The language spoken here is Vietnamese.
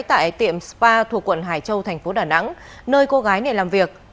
tại tiệm spa thuộc quận hải châu thành phố đà nẵng nơi cô gái này làm việc